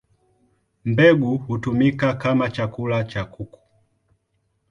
Mbegu hutumika kama chakula cha kuku.